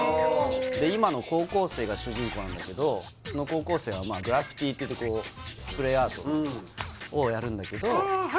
今の高校生が主人公なんだけどその高校生はグラフィティっていってこうスプレーアートをやるんだけどああ